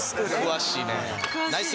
詳しいね。